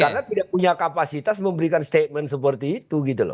karena tidak punya kapasitas memberikan statement seperti itu gitu loh